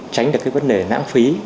tránh được cái vấn đề nãng phí